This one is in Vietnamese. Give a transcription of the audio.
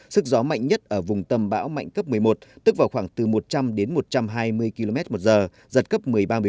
sức gió mạnh nhất ở vùng tâm bão mạnh cấp một mươi một tức vào khoảng từ một trăm linh đến một trăm hai mươi km một giờ giật cấp một mươi ba một mươi bốn